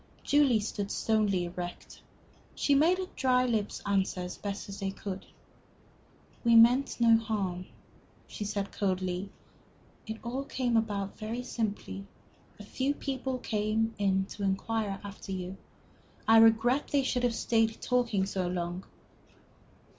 Julie stood stonily erect. She made her dry lips answer as best they could. "We meant no harm," she said, coldly. "It all came about very simply. A few people came in to inquire after you. I regret they should have stayed talking so long."